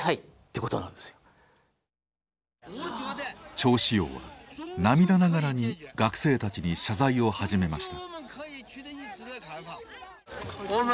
趙紫陽は涙ながらに学生たちに謝罪を始めました。